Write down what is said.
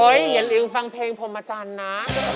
เฮ้ยอย่าลืมฟังเพลงผมอาจารย์นะ